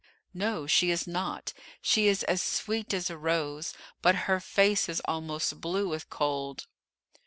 "No, she is not. She is as sweet as a rose; but her face is almost blue with cold."